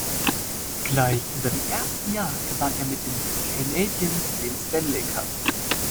Gleich in seinem ersten Jahr gewann er mit den Canadiens den Stanley Cup.